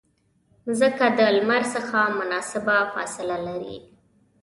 مځکه د لمر څخه مناسبه فاصله لري.